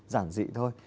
giản dị thôi